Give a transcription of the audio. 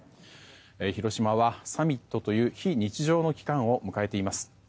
広島はサミットという非日常の期間を迎えています。